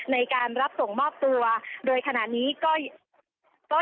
ในการรับส่งมอบตัวโดยขณะนี้ก็ก็